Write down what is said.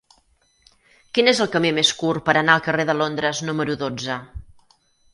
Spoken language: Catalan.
Quin és el camí més curt per anar al carrer de Londres número dotze?